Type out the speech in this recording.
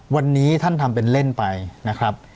วันนี้ท่านทำเป็นเล่นไปนะครับ